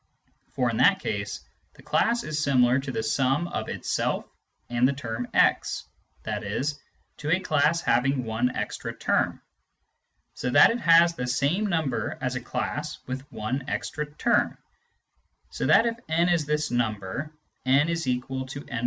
For in that case, the class is similar to the sum of itself and the term x, i.e. to a class having one extra term ; so that it has the same number as a class with one extra term, so that if n is this number, n=n \ i.